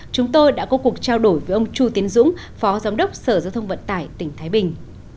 chúng tôi đã có cuộc trao đổi với ông chu tiến dũng phó giám đốc sở giao thông vận tải tỉnh thái bình